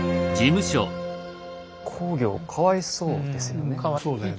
公暁かわいそうですよね。